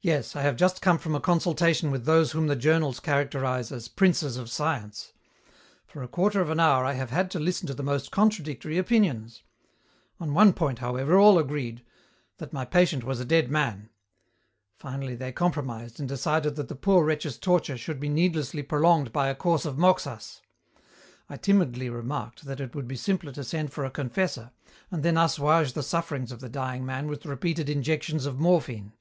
"Yes, I have just come from a consultation with those whom the journals characterize as 'princes of science.' For a quarter of an hour I have had to listen to the most contradictory opinions. On one point, however, all agreed: that my patient was a dead man. Finally they compromised and decided that the poor wretch's torture should be needlessly prolonged by a course of moxas. I timidly remarked that it would be simpler to send for a confessor, and then assuage the sufferings of the dying man with repeated injections of morphine.